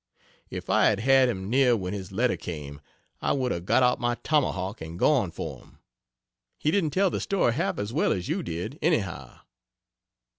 If I had had him near when his letter came, I would have got out my tomahawk and gone for him. He didn't tell the story half as well as you did, anyhow.